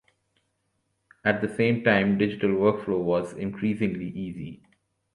At the same time digital workflow was increasingly easy.